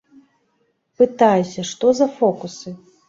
Пытаюся, што за фокусы.